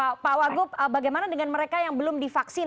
oke pak wagu bagaimana dengan mereka yang belum divaksin